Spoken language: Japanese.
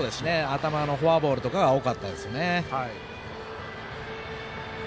頭はフォアボールとかが多かったですね。